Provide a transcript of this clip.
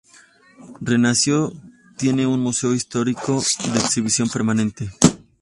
Renaico tiene un Museo histórico de exhibición permanente.